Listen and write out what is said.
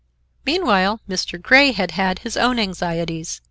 Meanwhile Mr. Grey had had his own anxieties.